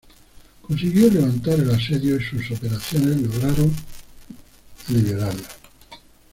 Consiguió levantar el asedio y sus operaciones lograron liberarla.